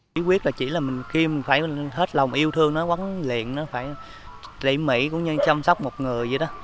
chí quyết là chỉ là khi mình phải hết lòng yêu thương nó quấn luyện nó phải tỉ mỉ cũng như chăm sóc một người vậy đó